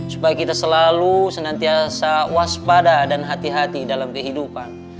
supaya kita selalu senantiasa waspada dan hati hati dalam kehidupan